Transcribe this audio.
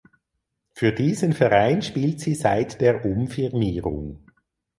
Für diesen Verein spielt sie seit der Umfirmierung.